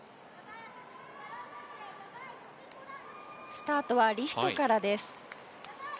スタートはリフトからです。